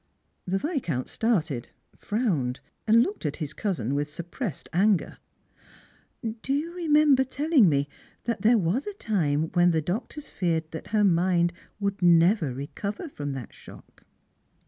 The Viscount started, frowned, and looked at his cousin with cuppressed anger. " Do you remember telling me that there was a time when the doctors feared that her mind would never recover from that shock?"